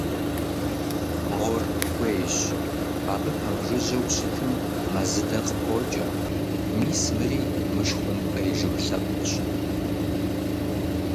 Мор тхуейщ, абы пэмыжыжьэу щытым мэзыдэ къыпокӀэ, мис мыри мышхумпӀей жыг лъэпкъщ.